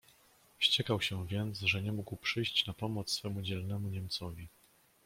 "Wściekał się więc, że nie mógł przyjść na pomoc swemu dzielnemu niemcowi."